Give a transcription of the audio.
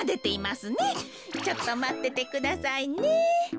ちょっとまっててくださいね。